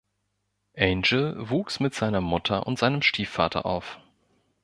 Angel wuchs mit seiner Mutter und seinem Stiefvater auf.